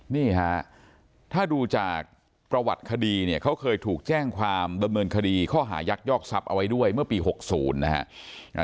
นี่ฮะถ้าดูจากประวัติคดีเนี่ยเขาเคยถูกแจ้งความดำเนินคดีข้อหายักยอกทรัพย์เอาไว้ด้วยเมื่อปี๖๐นะฮะ